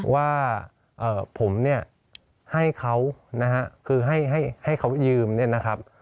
ว่าผมเนี่ยให้เขานะฮะคือให้เขายืมเนี่ยนะครับ